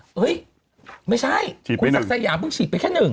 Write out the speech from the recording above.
เฮ้ยไม่ใช่คุณศักดิ์สยามเพิ่งฉีดไปแค่๑